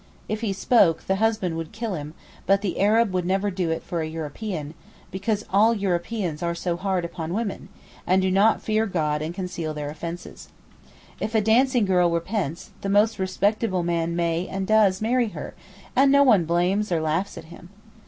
If he spoke, the husband would kill him; but the Arab would never do it for a European, 'because all Europeans are so hard upon women,' and do not fear God and conceal their offences. If a dancing girl repents, the most respectable man may and does marry her, and no one blames or laughs at him.